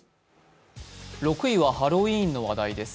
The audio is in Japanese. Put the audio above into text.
６位はハロウィーンの話題です。